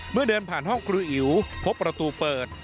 เดินผ่านห้องครูอิ๋วพบประตูเปิด